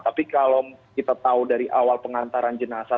tapi kalau kita tahu dari awal pengantaran jenazah